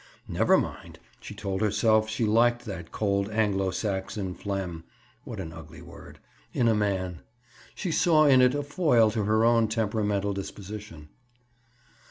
Never mind! She told herself she liked that cold Anglo Saxon phlegm (what an ugly word!) in a man. She saw in it a foil to her own temperamental disposition.